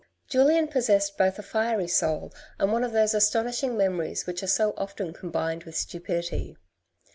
Julien possessed both a fiery soul and one of those astonish ing memories which are so often combined with stupidity.